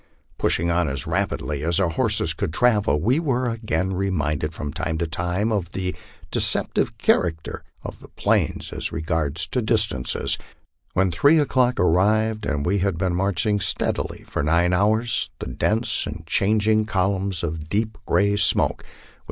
Pushing on as rapidly as our horses could travel, we were again re minded from time to time of the deceptive character of the plains as regards distances. When three o'clock arrived, and we had been marching steadily for nine hours, the dense and changing columns of deep gray smoke, which MY LIFE ON THE PLAINS.